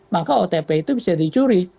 maka otp itu bisa dicuri